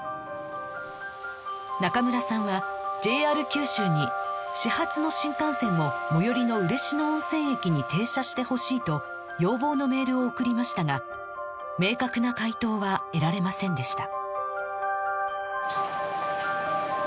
中村さんは ＪＲ 九州に始発の新幹線を最寄りの嬉野温泉駅に停車してほしいと要望のメールを送りましたが明確な回答は得られませんでした